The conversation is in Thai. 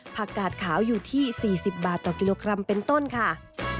กาดขาวอยู่ที่๔๐บาทต่อกิโลกรัมเป็นต้นค่ะ